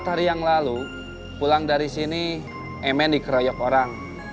empat hari yang lalu pulang dari sini mn dikeroyok orang